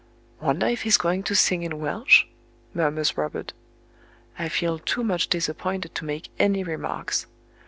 "Wonder if he is going to sing in Welsh?" murmurs Robert. I feel too much disappointed to make any remarks.